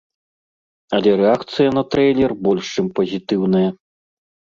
Але рэакцыя на трэйлер больш чым пазітыўная.